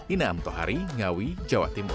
ina amtohari ngawi jawa timur